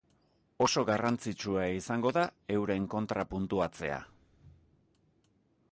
Oso garrantzitsua izango da euren kontra puntuatzea.